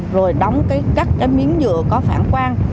rồi đóng các miếng dừa có phản quan